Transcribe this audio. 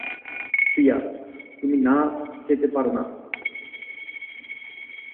প্রিয়া, তুমি না যেতে পারো না।